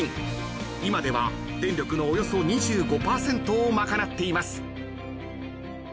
［今では電力のおよそ２５％を賄っています］